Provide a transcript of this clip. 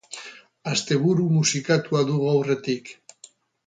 Asteburu musikatua dugu aurretik.